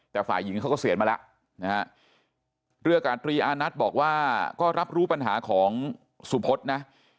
แต่ฝ่ายหญิงเขาก็เสียมาแล้วนะฮะเรืออากาศตรีอานัทบอกว่าก็รับรู้ปัญหาของสุพธนะ